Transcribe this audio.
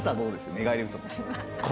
寝返り打った時。